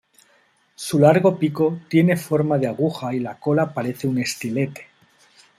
Su largo pico tiene forma de aguja y la cola parece un estilete.